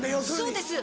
そうです。